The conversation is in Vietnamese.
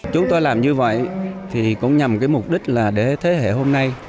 chúng tôi làm như vậy cũng nhằm mục đích là để thế hệ hôm nay